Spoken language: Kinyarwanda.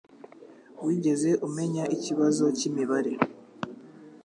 Wigeze umenya ikibazo cyimibare?